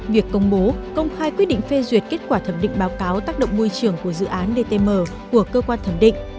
việc công bố công khai quyết định phê duyệt kết quả thẩm định báo cáo tác động môi trường của dự án dtm của cơ quan thẩm định